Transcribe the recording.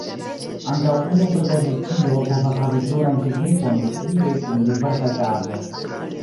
Ankaŭ unu prepozicio povas havi plurajn signifojn lige kun diversaj kazoj.